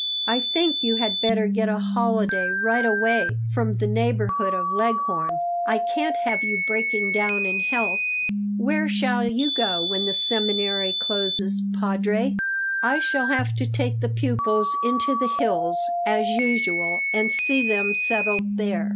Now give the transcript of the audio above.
I think you had better get a holiday right away from the neighborhood of Leghorn. I can't have you breaking down in health." "Where shall you go when the seminary closes, Padre?" "I shall have to take the pupils into the hills, as usual, and see them settled there.